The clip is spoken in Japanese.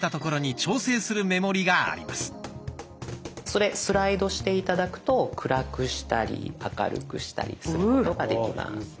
それスライドして頂くと暗くしたり明るくしたりすることができます。